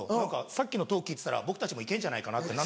さっきのトーク聞いてたら僕たちも行けんじゃないかなって。